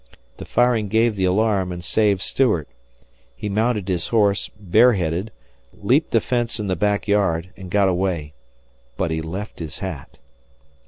The firing gave the alarm and saved Stuart. He mounted his horse, bareheaded, leaped a fence in the back yard, and got away. But he left his hat!